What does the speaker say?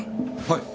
はい。